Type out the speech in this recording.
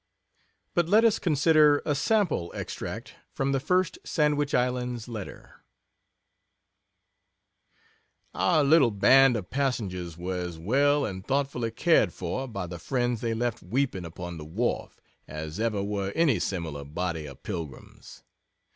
But let us consider a sample extract from the first Sandwich Islands letter: Our little band of passengers were as well and thoughtfully cared for by the friends they left weeping upon the wharf, as ever were any similar body of pilgrims.